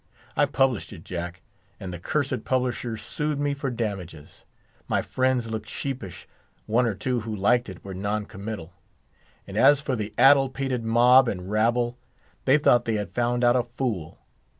I published it, Jack, and the cursed publisher sued me for damages; my friends looked sheepish; one or two who liked it were non committal; and as for the addle pated mob and rabble, they thought they had found out a fool.